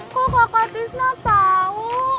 kok kakak tisna tau